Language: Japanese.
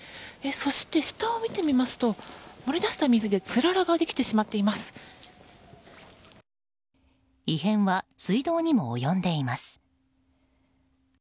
そして下を見てみますと漏れ出した水で異変は水道にも及んでいます。